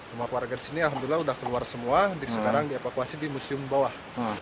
rumah warga di sini alhamdulillah udah keluar semua sekarang di evakuasi di museum bawah